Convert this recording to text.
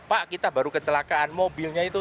pak kita baru kecelakaan mobilnya itu